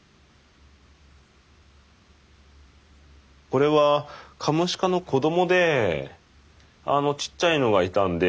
これはカモシカの子どもであのちっちゃいのがいたんで。